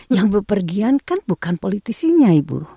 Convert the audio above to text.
yang berpergian kan bukan politisinya ibu